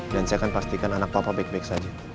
dan saya akan pastikan anak papa baik baik saja